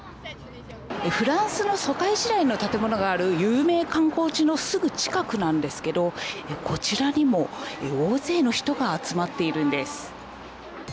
フランスのの建物がある有名観光地のすぐ近くなんですけれども、こちらにも大勢の人が集まっているんです。